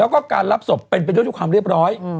แล้วก็การรับศพเป็นไปด้วยความเรียบร้อย